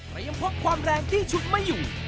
แต่ยังพบความแรงที่ชุดไม่อยู่